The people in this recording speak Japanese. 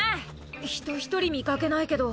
人ひとり見かけないけど。